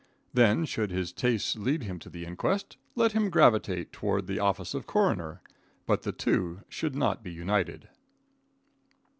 Then, should his tastes lead him to the inquest, let him gravitate toward the office of coroner; but the two should not be united.